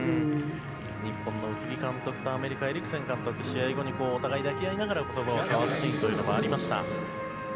日本の宇津木監督とアメリカ、エリクセン監督が試合後にお互い抱き合いながら言葉を交わすシーンもありました。